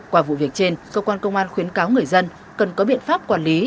qua vụ việc trên cơ quan công an khuyến cáo người dân cần có biện pháp quản lý